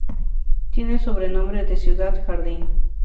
Tiene el sobrenombre de "Ciudad Jardín".